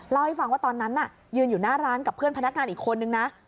เล่าให้ฟังว่าตอนนั้นน่ะยืนอยู่หน้าร้านกับเพื่อนพนักงานอีกคนนึงนะ